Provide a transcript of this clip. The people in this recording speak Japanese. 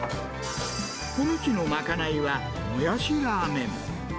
この日のまかないはもやしラーメン。